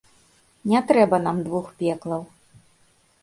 Не трэба нам двух пеклаў.